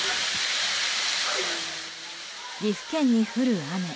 岐阜県に降る雨。